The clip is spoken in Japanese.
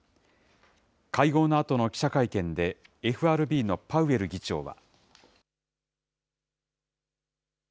会合のあとの記者会見で、ＦＲＢのパウエル議長は。